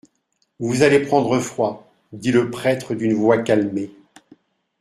Vous allez prendre froid, dit le prêtre d'une voix calmée.